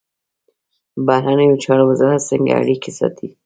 بهرنیو چارو وزارت څنګه اړیکې ساتي؟